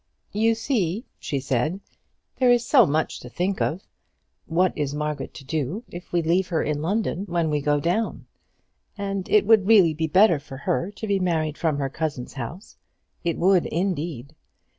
"You see," she said, "there is so much to think of. What is Margaret to do, if we leave her in London when we go down? And it would really be better for her to be married from her cousin's house; it would, indeed.